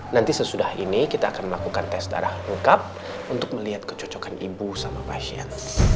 nanti sesudah ini kita akan melakukan tes darah lengkap untuk melihat kecocokan ibu sama pasien